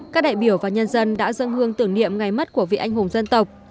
các đại biểu và nhân dân đã dâng hương tưởng niệm ngày mất của vị anh hùng dân tộc